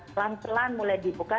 pelan pelan mulai dibuka